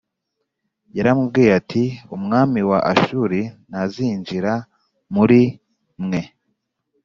yaramubwiye ati umwami wa Ashuri ntazinjira muri mwe